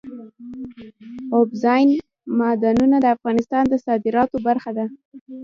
اوبزین معدنونه د افغانستان د صادراتو برخه ده.